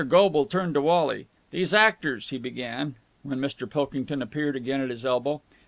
Goble turned to Wally. "These actors...." he began, when Mr. Pilkington appeared again at his elbow.